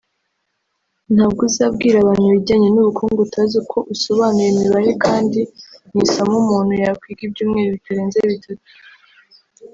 ntabwo uzabwira abantu ibijyanye n’ubukungu utazi uko usobanura imibare kandi ni isomo umuntu yakwiga ibyumweru bitarenze bitatu